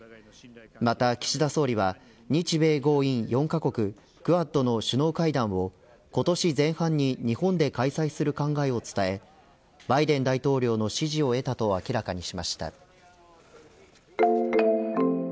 また岸田総理は日米豪印４カ国クアッドの首脳会談を今年前半に日本で開催する考えを伝えバイデン大統領の支持を得たと明らかにしました。